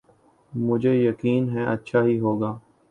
مجھے یقین ہے اچھا ہی ہو گا۔